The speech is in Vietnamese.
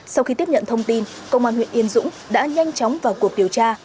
sau khi tiếp nhận thông tin công an huyện yên dũng đã nhanh chóng vào cuộc điều tra